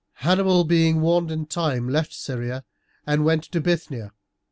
Hannibal, being warned in time, left Syria and went to Bithynia.